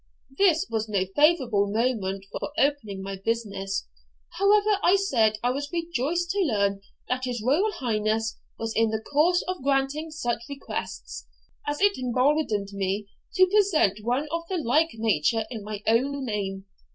This was no favourable moment for opening my business; however, I said I was rejoiced to learn that his Royal Highness was in the course of granting such requests, as it emboldened me to present one of the like nature in my own name.